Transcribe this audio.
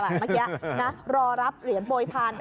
ปีหลังคาแบบนั้นเมื่อกี้นะรอรับเหรียญโบยทาน